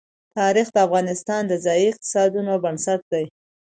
تاریخ د افغانستان د ځایي اقتصادونو بنسټ دی.